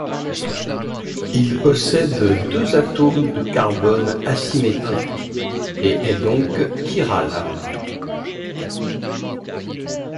Il possède deux atomes de carbone asymétrique et est donc chiral.